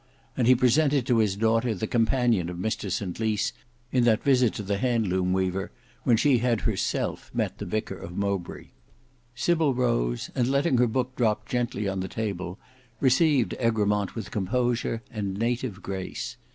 and he presented to his daughter the companion of Mr St Lys in that visit to the Hand loom weaver when she had herself met the vicar of Mowbray. Sybil rose, and letting her book drop gently on the table, received Egremont with composure and native grace.